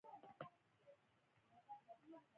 تېره شپه خرابات ته ولاړم لار مې نه وه.